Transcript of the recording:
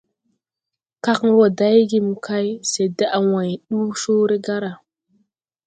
Kag wɔ day ge mokay, se daʼa way nduu Cõõré gaara.